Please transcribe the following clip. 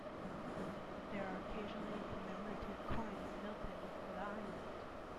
There are occasionally commemorative coins minted for the island.